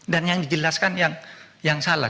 dan yang dijelaskan yang salah